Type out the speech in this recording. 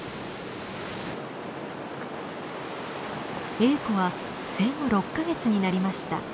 エーコは生後６か月になりました。